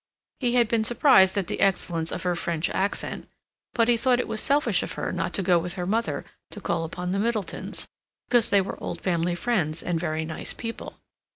He had been surprised at the excellence of her French accent, but he thought it was selfish of her not to go with her mother to call upon the Middletons, because they were old family friends and very nice people.